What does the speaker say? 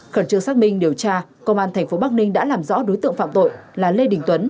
khẩn trương xác minh điều tra công an tp bắc ninh đã làm rõ đối tượng phạm tội là lê đình tuấn